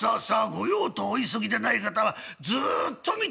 御用とお急ぎでない方はずっと見ておいで』」。